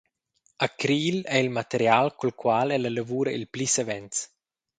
Acril ei il material cul qual ella lavura il pli savens.